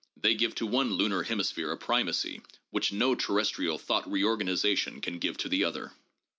They give to one lunar hemisphere a primacy which no terrestrial thought reorganization can give to the other.